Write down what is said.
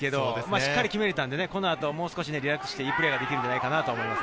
しっかり決めれたので、このあともう少しリラックスしていいプレーができると思います。